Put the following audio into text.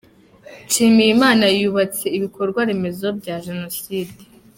Nshimiyimana yubatse ibikorwa remezo bya Jenoside